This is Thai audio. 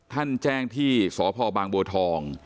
ท่านแจ้งที่สพบางบัวทอง